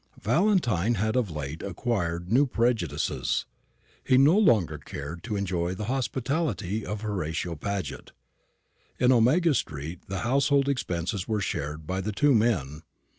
Valentine had of late acquired new prejudices. He no longer cared to enjoy the hospitality of Horatio Paget. In Omega street the household expenses were shared by the two men.